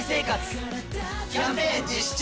キャンペーン実施中！